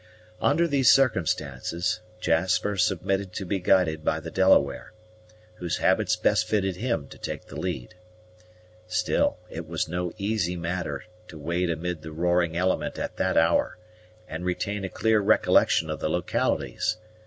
Under these circumstances, Jasper submitted to be guided by the Delaware, whose habits best fitted him to take the lead. Still it was no easy matter to wade amid the roaring element at that hour, and retain a clear recollection of the localities.